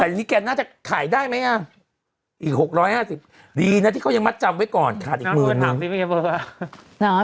แต่อย่างนี้แกน่าจะขายได้ไหมอ่ะอีก๖๕๐ดีนะที่เขายังมัดจำไว้ก่อนขาดอีกหมื่น